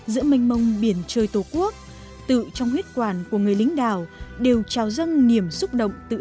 giữa mênh mông biển trời tổ quốc tự trong huyết quản của người lính đảo đều trao dâng niềm xúc động tự hào